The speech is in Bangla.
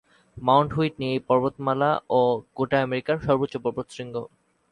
মাউন্ট হুইটনি এই পর্বতমালা ও গোটা আমেরিকার সর্বোচ্চ পর্বতশৃঙ্গ।